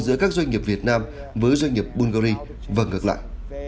giữa các doanh nghiệp việt nam với doanh nghiệp bulgari và ngược lại